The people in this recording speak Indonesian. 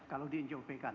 kalau di njop kan